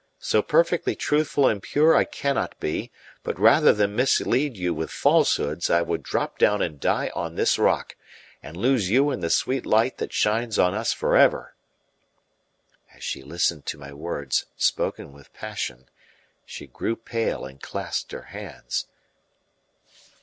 So perfectly truthful and pure I cannot be, but rather than mislead you with falsehoods I would drop down and die on this rock, and lose you and the sweet light that shines on us for ever." As she listened to my words, spoken with passion, she grew pale and clasped her hands.